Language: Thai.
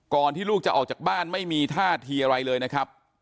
ที่ลูกจะออกจากบ้านไม่มีท่าทีอะไรเลยนะครับ